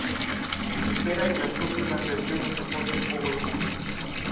Se espera que las próximas versiones soporten powerbook.